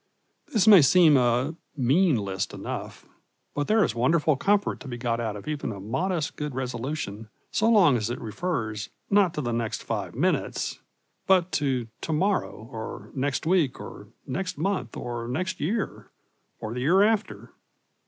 This may seem a mean list enough, but there is wonderful comfort to be got out of even a modest good resolution so long as it refers, not to the next five minutes, but to to morrow, or next week, or next month, or next year, or the year after.